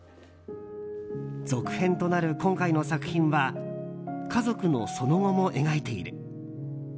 続編となる今回の作品は家族のその後も描いている。